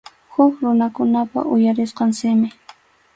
Huk runakunapa uyarisqan simi.